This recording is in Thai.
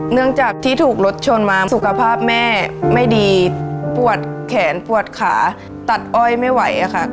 เนื่องจากที่ถูกรถชนมาสุขภาพแม่ไม่ดีปวดแขนปวดขาตัดอ้อยไม่ไหวค่ะ